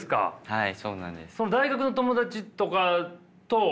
はい。